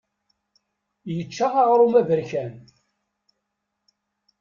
Yečča aɣrum aberkan.